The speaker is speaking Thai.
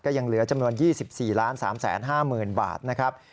ยังเหลือจำนวน๒๔๓๕๐๐๐บาทนะครับ